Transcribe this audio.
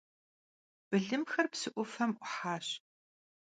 Bılımxer psı 'ufem 'uhaş.